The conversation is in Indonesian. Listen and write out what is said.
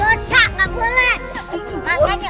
aduh kenapa lu lagi ya